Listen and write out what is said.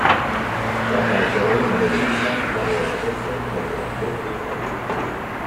Cap altra reina d'Egipte va rebre aquesta condecoració militar.